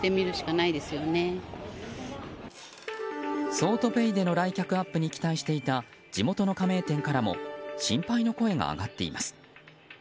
桑都ペイでの来客アップに期待していた地元の加盟店からも心配の声が上がっています。